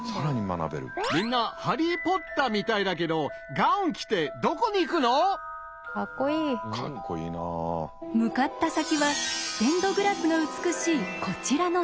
みんな「ハリー・ポッター」みたいだけど向かった先はステンドグラスが美しいこちらの建物。